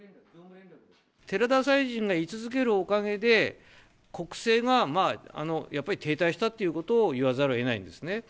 寺田大臣がい続けるおかげで、国政がやっぱり停滞したということを言わざるをえないんですね。